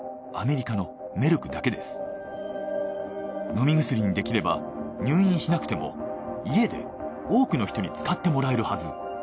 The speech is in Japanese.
飲み薬にできれば入院しなくても家で多くの人に使ってもらえるはず。